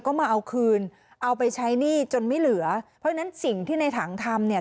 ก็มาเอาคืนเอาไปใช้หนี้จนไม่เหลือเพราะฉะนั้นสิ่งที่ในถังทำเนี่ย